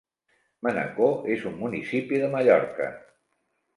Manacor és un municipi de Mallorca.